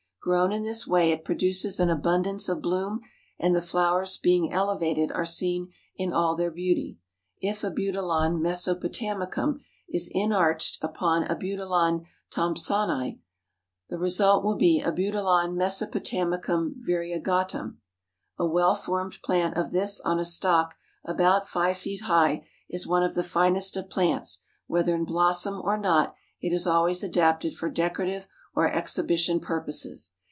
Grown in this way it produces an abundance of bloom, and the flowers being elevated are seen in all their beauty. If Abutilon Mesopotamicum is inarched upon Abutilon Thompsonii, the result will be Abutilon Mesopotamicum Variegatum. A well formed plant of this on a stock about five feet high is one of the finest of plants; whether in blossom or not it is always adapted for decorative or exhibition purposes.